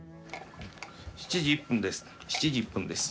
７時１分です